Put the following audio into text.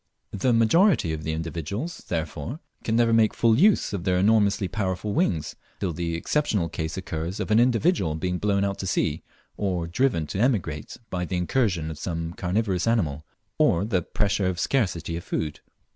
The majority of the individuals, therefore, can never make full use of their enormously powerful wings, till the exceptional case occurs of an individual being blown out to sea, or driven to emigrate by the incursion of some carnivorous animal, or the pressure of scarcity of food.